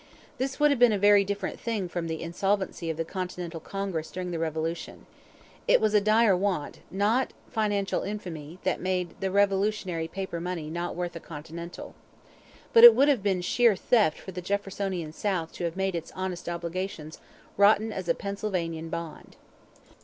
This would have been a very different thing from the insolvency of the Continental Congress during the Revolution. It was dire want, not financial infamy, that made the Revolutionary paper money 'not worth a Continental.' But it would have been sheer theft for the Jeffersonian South to have made its honest obligations 'rotten as a Pennsylvanian bond.'